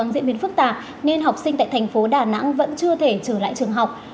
nhưng vì dịch bệnh phức tạp nên học sinh tại thành phố đà nẵng vẫn chưa thể trở lại trường học